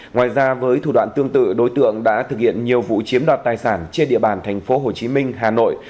ngoài ra với thủ đoạn tương tự đối tượng đã thực hiện nhiều vụ chiếm đoạt tài sản trên địa bàn thành phố hồ chí minh hà nội